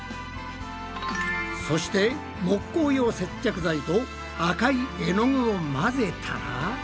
そして木工用接着剤と赤い絵の具を混ぜたら。